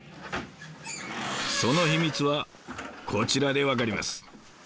その秘密はこちらで分かります。